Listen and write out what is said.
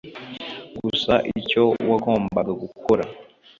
gusa icyo wagombaga gukora.